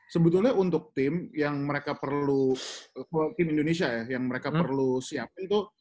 sebetulnya untuk tim yang mereka perlu tim indonesia ya yang mereka perlu siapin itu